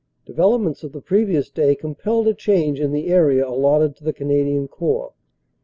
Developments of the previous day compelled a change in the area allotted to the Canadian Corps.